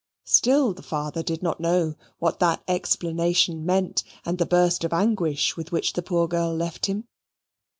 Still the father did not know what that explanation meant, and the burst of anguish with which the poor girl left him.